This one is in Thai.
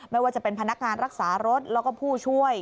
ไม่ว่าจะเป็นพนักงานรักษารถแล้วก็ผู้ช่วย